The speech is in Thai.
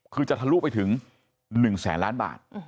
คือจะทะลุไปถึง๑แสนล้านบาท